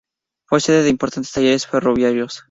Fue sede de importantes talleres ferroviarios.